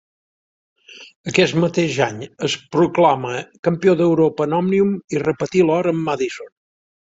Aquest mateix any es proclama campió d'Europa en Òmnium, i repetí l'or en Madison.